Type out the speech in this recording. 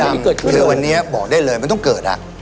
ที่เกิดขึ้นคือวันนี้บอกได้เลยมันต้องเกิดอ่ะ